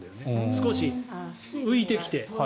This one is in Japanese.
少し浮いてきて。